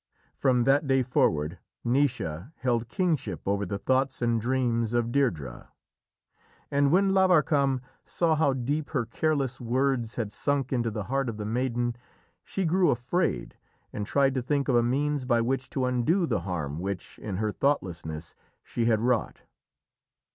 From that day forward, Naoise held kingship over the thoughts and dreams of Deirdrê. And when Lavarcam saw how deep her careless words had sunk into the heart of the maiden, she grew afraid, and tried to think of a means by which to undo the harm which, in her thoughtlessness, she had wrought.